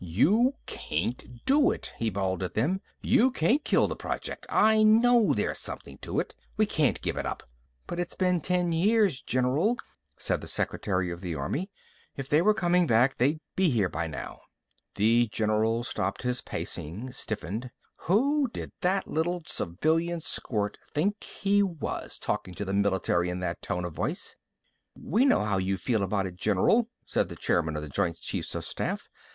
"You can't do it," he bawled at them. "You can't kill the project. I know there's something to it. We can't give it up!" "But it's been ten years, General," said the secretary of the army. "If they were coming back, they'd be here by now." The general stopped his pacing, stiffened. Who did that little civilian squirt think he was, talking to the military in that tone of voice! "We know how you feel about it, General," said the chairman of the joint chiefs of staff.